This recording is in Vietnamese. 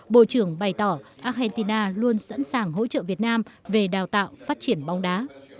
bộ trưởng bày tỏ argentina luôn sẵn sàng hỗ trợ việt nam về đào tạo phát triển bóng đá